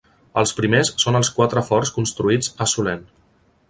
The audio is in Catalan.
Els primers són els quatre forts construïts a Solent.